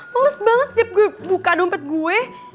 meles banget setiap gue buka dompet gue